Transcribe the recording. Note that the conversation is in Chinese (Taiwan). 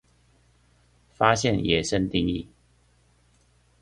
發現野生定義